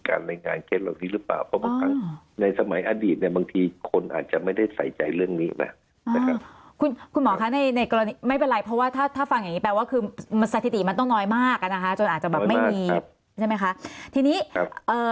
ถ้าฟังอย่างงี้แปลว่าคือมันสถิติมันต้องน้อยมากอะนะคะจนอาจจะแบบไม่มีใช่ไหมคะครับทีนี้ครับเอ่อ